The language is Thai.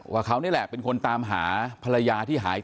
ว่าเขานี่แหละเป็นคนตามหาภรรยาที่หาย